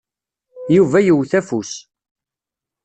Yuba yewwet afus.